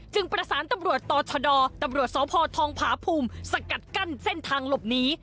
ประสานตำรวจต่อชดตำรวจสพทองผาภูมิสกัดกั้นเส้นทางหลบหนี